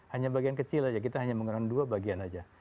hanya bagian kecil saja kita hanya menggunakan dua bagian saja